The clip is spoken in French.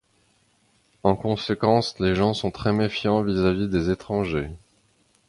En conséquence, les gens sont très méfiants vis-à-vis des étrangers.